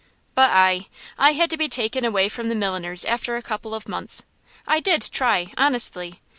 But I I had to be taken away from the milliner's after a couple of months. I did try, honestly.